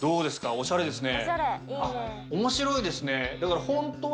おしゃれですね。